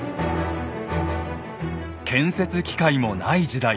建設機械もない時代